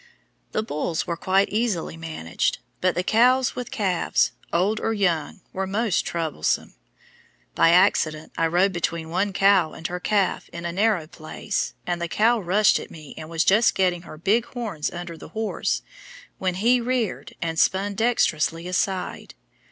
The bulls were quite easily managed, but the cows with calves, old or young, were most troublesome. By accident I rode between one cow and her calf in a narrow place, and the cow rushed at me and was just getting her big horns under the horse, when he reared, and spun dexterously aside.